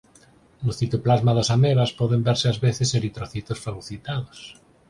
No citoplasma das amebas poden verse ás veces eritrocitos fagocitados.